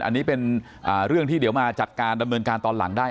อันนี้เป็นเรื่องที่เดี๋ยวมาจัดการดำเนินการตอนหลังได้